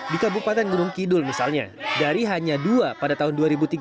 di kabupaten gunung kidul misalnya dari hanya dua pada tahun dua ribu tiga belas